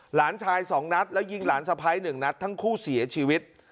หลานชาย๒นัดแล้วยิงหลานสะพ้าย๑นัดทั้งคู่เสียชีวิต